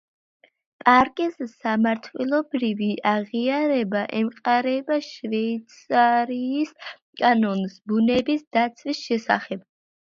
პარკის სამართლებრივი აღიარება ემყარება შვეიცარიის კანონს ბუნების დაცვის შესახებ.